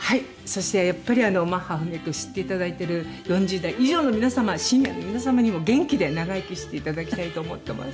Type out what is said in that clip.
そしてやっぱりマッハ文朱を知っていただいてる４０代以上の皆様シニアの皆様にも元気で長生きしていただきたいと思ってます。